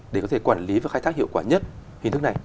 để có thể quản lý và khai thác hiệu quả nhất hình thức này